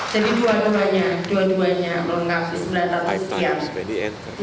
jadi dua duanya dua duanya melengkapi sembilan ratus persen